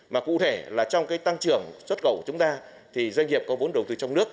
mà cụ thể là trong cái tăng trưởng xuất khẩu của chúng ta thì doanh nghiệp có vốn đầu tư trong nước